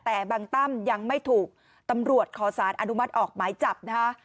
แต่บางตั้มยังไม่ถูกตำรวจขอสารอนุมัติออกหมายจับนะคะ